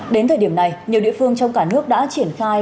đến thời điểm này nhiều địa phương trong cả nước đã triển khai